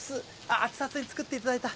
熱々に作っていただいた。